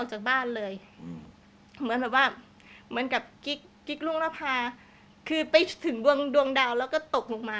เหมือนกับกิ๊กลู้งรภาคือไปถึงวงดวงดาวแล้วก็ตกลงมา